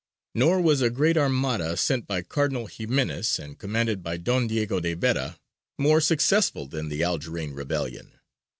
Nor was a great Armada, sent by Cardinal Ximenes, and commanded by Don Diego de Vera, more successful than the Algerine rebellion.